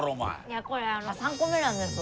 いやこれ３個目なんです。